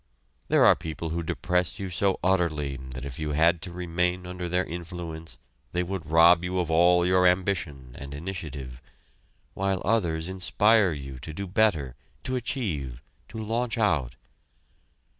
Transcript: There are people who depress you so utterly that if you had to remain under their influence they would rob you of all your ambition and initiative, while others inspire you to do better, to achieve, to launch out.